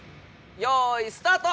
用いスタート！